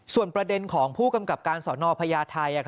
ส่วนประเด็นของผู้กำกับการสนพญาไทย